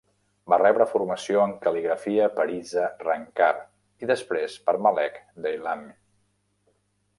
Va rebre formació en cal·ligrafia per Isa Rangkar i després per Malek Deylami.